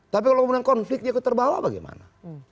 tapi kalau konflik dia terbawa bagaimana